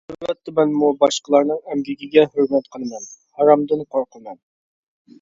ئەلۋەتتە مەنمۇ باشقىلارنىڭ ئەمگىكىگە ھۆرمەت قىلىمەن، ھارامدىن قورقىمەن.